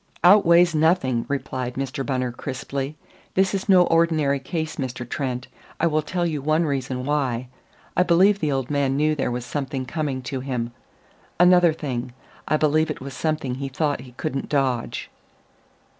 "Outweighs nothing!" replied Mr. Bunner crisply. "This is no ordinary case, Mr. Trent. I will tell you one reason why. I believe the old man knew there was something coming to him. Another thing. I believe it was something he thought he couldn't dodge."